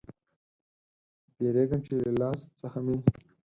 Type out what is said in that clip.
بیریږم چې له لاس څخه مې